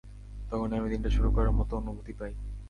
তখনই আমি দিনটা শুরু করার মতো অনুভূতি পাই।